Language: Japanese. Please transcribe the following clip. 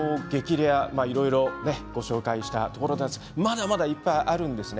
レアいろいろご紹介したところですがまだまだ、いっぱいあるんです。